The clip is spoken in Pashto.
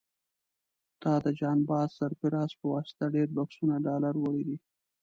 تا د جان باز سرفراز په واسطه ډېر بکسونه ډالر وړي دي.